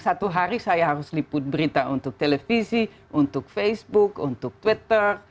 satu hari saya harus liput berita untuk televisi untuk facebook untuk twitter